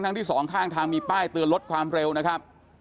ที่สองข้างทางมีป้ายเตือนลดความเร็วนะครับ